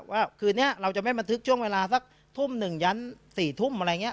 คืนนี้เราจะไม่บันทึกช่วงเวลาสักทุ่มหนึ่งยั้น๔ทุ่มอะไรอย่างนี้